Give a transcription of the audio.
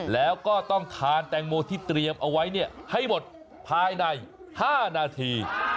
แล้วก็ต้องทานแตงโมที่เตรียมเอาไว้ให้หมดภายใน๕นาที